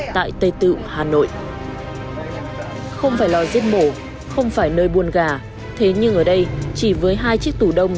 tại chợ ghiền mì gõ để không bỏ lỡ những video hấp dẫn